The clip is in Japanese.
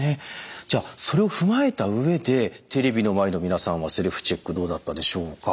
じゃあそれを踏まえた上でテレビの前の皆さんはセルフチェックどうだったでしょうか？